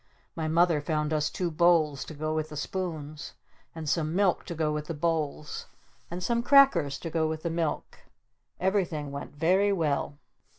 My Mother found us two bowls to go with the spoons. And some milk to go with the bowls. And some crackers to go with the milk. Everything went very well.